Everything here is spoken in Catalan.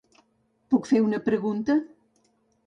Puc fer una pregunta?